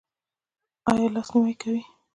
ایا لاس نیوی کوئ؟